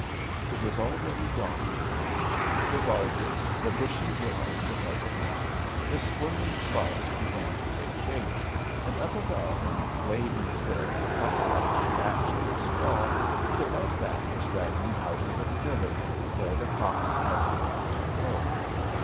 It was already dawn. The barges, the bushy willows above the water, the swirling flood began to take shape, and up above in a clayey cliff a hut thatched with straw, and above that the straggling houses of the village, where the cocks had begun to crow.